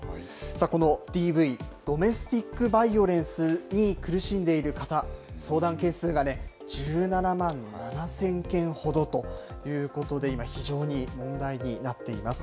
このＤＶ・ドメスティックバイオレンスに苦しんでいる方、相談件数がね、１７万７０００件ほどということで、今、非常に問題になっています。